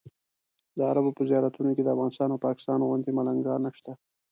د عربو په زیارتونو کې د افغانستان او پاکستان غوندې ملنګان نشته.